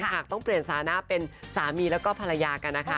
หากต้องเปลี่ยนสานะเป็นสามีแล้วก็ภรรยากันนะคะ